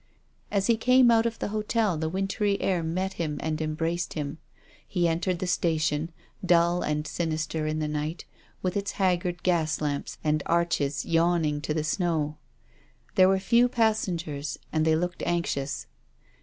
As he came out of the hotel the wintry air met him and embraced him. He en tered the station, dull and sinister in the night, with its haggard gas lamps and arches yawning to the snow. There were few passengers, and they looked anxious.